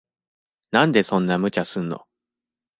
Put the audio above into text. なんでそんな無茶すんの。